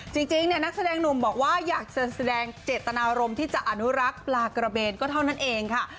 จริงเนี่ยนักแสดงหนุ่มบอกว่าอยากจะแสดงเจตนารมณ์ที่จะอนุรักษ์ปลากระเบนก็เท่านั้นเองค่ะ